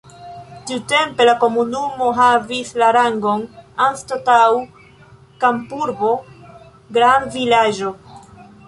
Tiutempe la komunumo havis la rangon anstataŭ kampurbo grandvilaĝo.